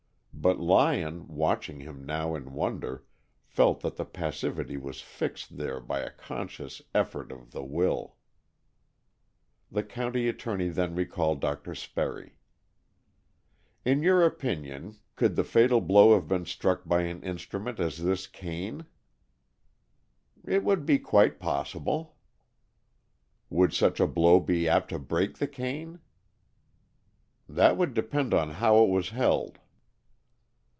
But Lyon, watching him now in wonder, felt that the passivity was fixed there by a conscious effort of the will. The county attorney then recalled Dr. Sperry. "In your opinion, could the fatal blow have been struck by such an instrument as this cane?" "It would be quite possible." "Would such a blow be apt to break the cane?" "That would depend on how it was held."